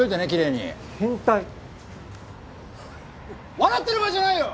笑ってる場合じゃないよ！